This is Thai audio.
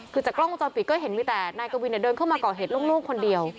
คือจากกล้องวงจรปิดก็เห็นมีแต่นายกวินเดินเข้ามาก่อเหตุโล่งคนเดียว